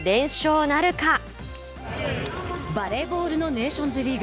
バレーボールのネーションズリーグ。